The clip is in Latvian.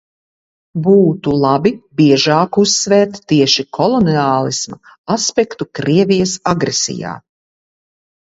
Būtu labi biežāk uzsvērt tieši koloniālisma aspektu Krievijas agresijā.